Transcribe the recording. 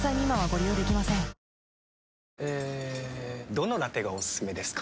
どのラテがおすすめですか？